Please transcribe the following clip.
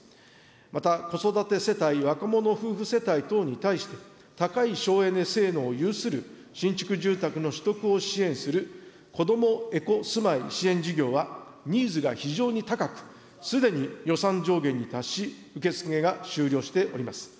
また、子育て世帯、若者夫婦世帯等に対して、高い省エネ性能を有する新築住宅の取得を支援するこどもエコすまい支援事業はニーズが非常に高く、すでに予算上限に達し、受け付けが終了しております。